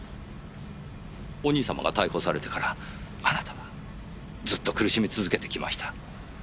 お兄様が逮捕されてからあなたはずっと苦しみ続けてきました。